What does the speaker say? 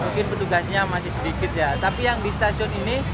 mungkin petugasnya masih sedikit ya tapi yang di stasiun ini